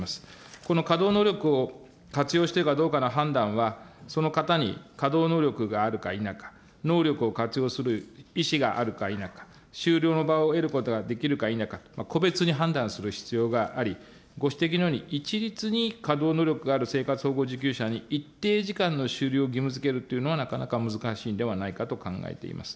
この稼働能力を活用してるかどうかの判断は、その方に稼働能力があるか否か、能力を活用する意思があるか否か、就労の場を得ることができるか否か、個別に判断する必要があり、ご指摘のように一律に稼働能力ある生活保護受給者に、一定時間の就労を義務づけるというのはなかなか難しいんではないかと考えています。